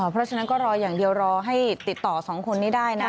เพราะฉะนั้นก็รออย่างเดียวรอให้ติดต่อสองคนนี้ได้นะ